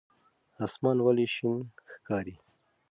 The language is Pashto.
اسمان ولې شین ښکاري؟